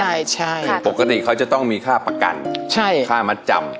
ใช่ใช่ปกติเขาจะต้องมีค่าประกันใช่ค่ามัดจำ